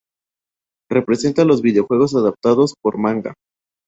Representa a los videojuegos adaptados por Manga.